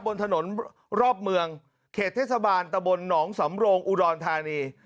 บนถนนรอบเมืองเขตเทศบาลตะบนหนองสำโรงอุดรธานี